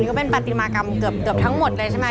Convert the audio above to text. ก็เป็นปฏิมากรรมเกือบทั้งหมดเลยใช่ไหม